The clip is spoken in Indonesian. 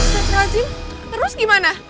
mas razif terus gimana